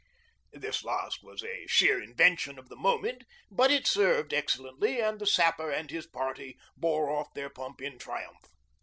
This last was a sheer invention of the moment, but it served excellently, and the Sapper and his party bore off their pump in triumph.